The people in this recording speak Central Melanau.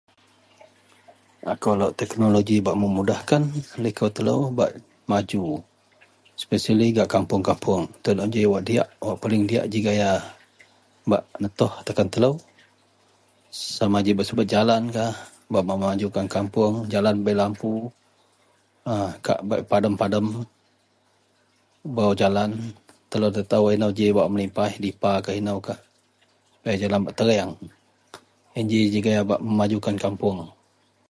Akou lok teknoloji bak memudahkan likou telou bak maju sepesiali gak kapuong-kapuong. Teknoloji wak diyak paling diyak ji gaya bak netoh takan telou sama ji bak subet jalankah, bak memajukan kapuong, jalan bei lampu a kak bak padem-padem bau jalan. Telou nda taou inou ji bak melipas, dipa, inoukah sepaya jalan bak tereang. Yen ji ji gaya bak memajukan kapuong.